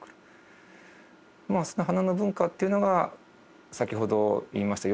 その花の文化というのが先ほど言いました